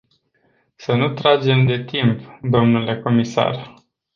Să nu tragem de timp, dle comisar.